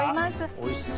おいしそ。